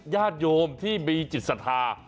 ญาติโยมที่มีจิตศรัทธา